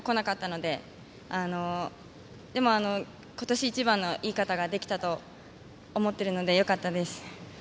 でも、今年一番のいい形ができたと思ってるのでよかったです。